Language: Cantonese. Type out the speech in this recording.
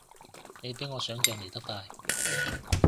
你比我想像嚟得快